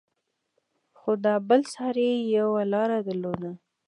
خو دا بل سر يې يوه لاره درلوده.